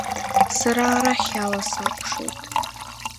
Сара арахь ала сакәшоит.